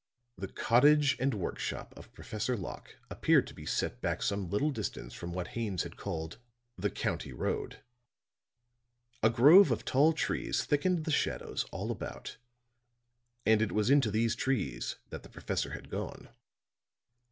The cottage and work shop of Professor Locke appeared to be set back some little distance from what Haines had called the county road; a grove of tall trees thickened the shadows all about, and it was into these trees that the professor had gone.